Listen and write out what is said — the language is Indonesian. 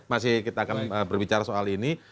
masih kita akan berbicara soal ini